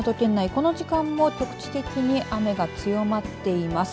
この時間も局地的に雨が強まっています。